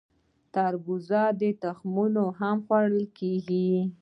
د تربوز تخمونه هم خوړل کیږي.